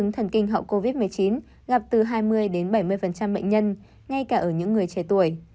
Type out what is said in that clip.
thần kinh hậu covid một mươi chín gặp từ hai mươi đến bảy mươi bệnh nhân ngay cả ở những người trẻ tuổi